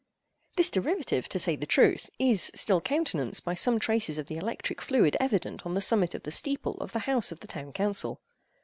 This derivative, to say the truth, is still countenanced by some traces of the electric fluid evident on the summit of the steeple of the House of the Town Council.